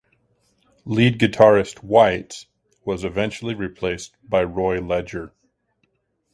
Lead guitarist White was eventually replaced by Roy Ledger.